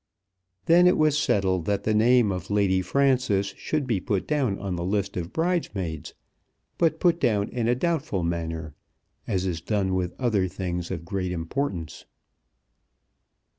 Then it was settled that the name of Lady Frances should be put down on the list of bridesmaids, but put down in a doubtful manner, as is done with other things of great importance.